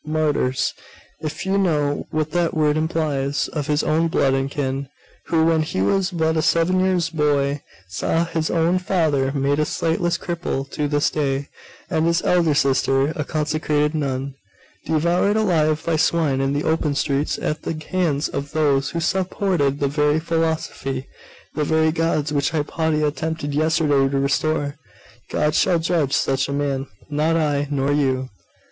martyrs if you know what that word implies of his own blood and kin; who, when he was but a seven years' boy, saw his own father made a sightless cripple to this day, and his elder sister, a consecrated nun, devoured alive by swine in the open streets, at the hands of those who supported the very philosophy, the very gods, which Hypatia attempted yesterday to restore. God shall judge such a man; not I, nor you!